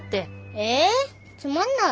えつまんない。